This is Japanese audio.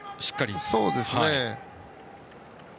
そうですね。